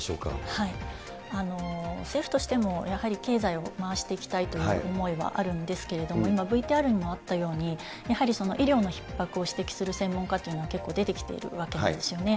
政府としても、やはり経済を回していきたいという思いはあるんですけれども、今ＶＴＲにもあったように、やはりその医療のひっ迫を指摘する専門家というのは、結構出てきているわけですよね。